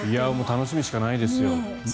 楽しみしかないですよ。